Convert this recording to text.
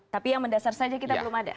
tapi yang mendasar saja kita belum ada